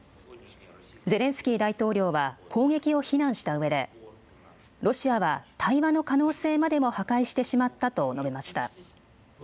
ゼレンスキー大統領は、攻撃を非難したうえで、ロシアは対話の可能性までも破壊してしまったと述べました。